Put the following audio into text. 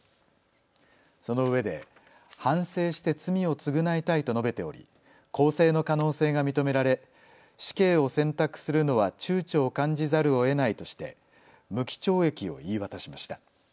そのうえで反省して罪を償いたいと述べており更生の可能性が認められ死刑を選択するのはちゅうちょを感じざるをえないとして無期懲役を言い渡しました。